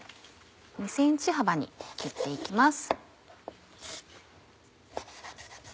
２ｃｍ幅に切って行きます。